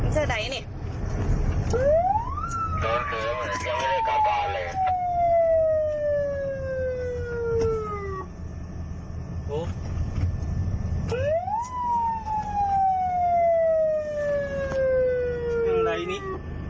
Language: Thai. เจอใดนี่